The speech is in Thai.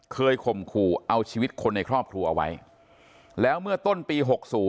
ข่มขู่เอาชีวิตคนในครอบครัวไว้แล้วเมื่อต้นปี๖๐